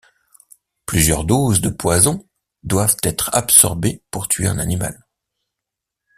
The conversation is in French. Plusieurs doses de poisons doivent être absorbées pour tuer un animal.